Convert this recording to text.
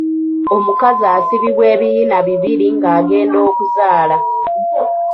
Omukazi asibibwa ebiyina bibiri ng'agenda okuzaala.